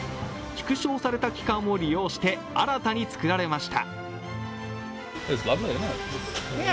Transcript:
縮小された期間を利用して新たに作られました。